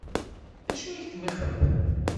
D acu ay kem-iqellqen?